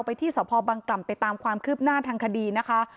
ที่สพบังกล่ำไปตามความคืบหน้าทางคดีนะคะ